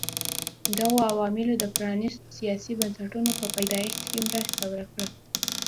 دغو عواملو د پرانیستو سیاسي بنسټونو په پیدایښت کې مرسته وکړه.